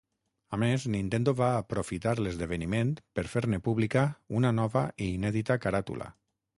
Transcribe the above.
A més, Nintendo va aprofitar l'esdeveniment per fer-ne pública una nova i inèdita caràtula.